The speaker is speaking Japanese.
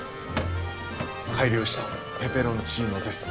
改良したペペロンチーノです。